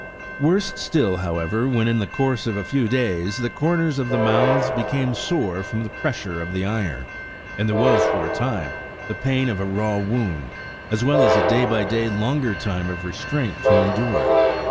Worse still, however, when in the course of a few days, the corners of the mouths became sore from the pressure of the iron, and there was, for a time, the pain of a raw wound, as well as a day by day longer time of restraint to endure.